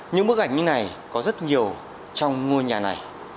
những bức ảnh như này có rất nhiều trong ngôi nhà này